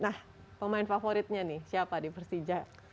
nah pemain favoritnya nih siapa di persija